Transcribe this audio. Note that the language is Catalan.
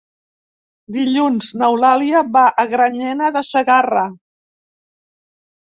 Dilluns n'Eulàlia va a Granyena de Segarra.